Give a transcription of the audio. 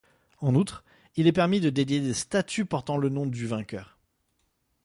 En outre, il est permis de dédier des statues portant le nom du vainqueur.